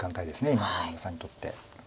今山田さんにとって。